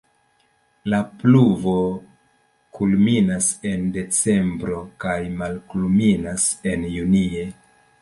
La pluvo kulminas en decembro kaj malkulminas en junie.